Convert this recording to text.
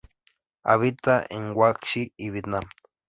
Habita en Guangxi y Vietnam.